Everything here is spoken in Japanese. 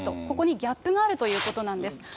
ここにギャップがあるということなんです。